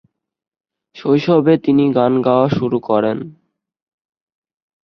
শৈশবে তিনি গান গাওয়া শুরু করেন।